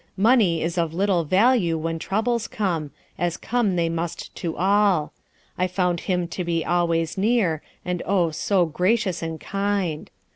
Money is of little value when troubles come, as come they must to all. I found Him to be always near, and oh! so gracious and kind.